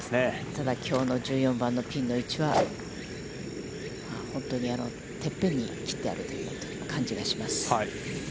ただ、きょうの１４番のピン位置は、本当にてっぺんに切ってあるという感じがします。